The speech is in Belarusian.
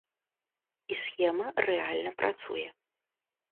І схема рэальна працуе.